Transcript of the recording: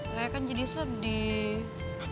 kayaknya kan jadi sedih